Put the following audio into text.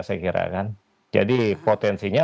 saya kira kan jadi potensinya